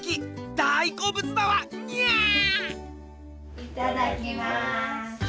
いただきます。